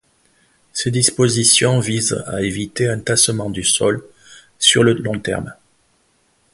Ces dispositions visent à éviter un tassement du sol sur le long terme.